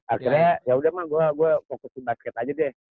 akhirnya yaudah mah gue fokus di basket aja deh